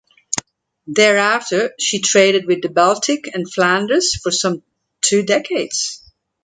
Thereafter she traded with the Baltic and Flanders for some two decades.